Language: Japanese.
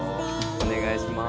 お願いします。